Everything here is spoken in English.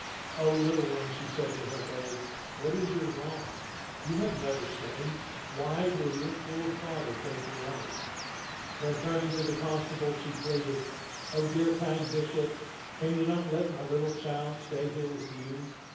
O little one," she said to her babe, "what is your wrong? You have never sinned; why will your cruel father take your life ?" Then turn ing to the constable, she pleaded, " O dear kind bishop, can you not let my little child stay here with you